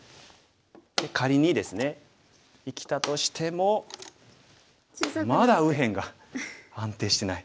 仮にですね生きたとしてもまだ右辺が安定してない。